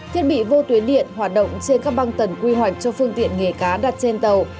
thiết bị vô tuyến điện hoạt động trên các băng tần quy hoạch cho phương tiện nghề cá đặt trên tàu